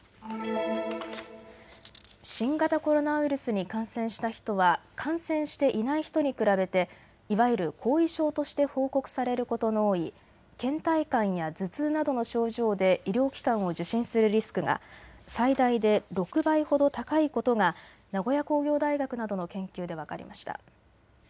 新型コロナウイルスに感染した人は感染していない人に比べていわゆる後遺症として報告されることの多い、けん怠感や頭痛などの症状で医療機関を受診するリスクが最大で６倍ほど高いことが名古屋工業大学などの研究で分かりました。